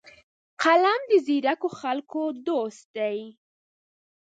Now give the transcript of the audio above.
قلم د ځیرکو خلکو دوست دی